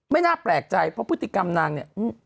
น่าแปลกใจเพราะพฤติกรรมนางเนี่ย